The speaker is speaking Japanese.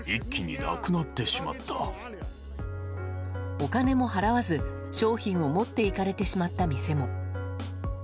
お金も払わず、商品を持っていかれてしまった店も。